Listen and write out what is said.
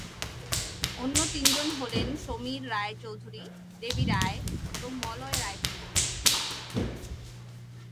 অন্য তিনজন হলেন সমীর রায়চৌধুরী, দেবী রায় এবং মলয় রায়চৌধুরী।